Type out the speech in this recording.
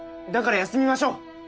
だから休みましょう！